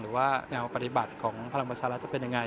หรือว่าแนวปฏิบัติของพลังประชารัฐจะเป็นยังไง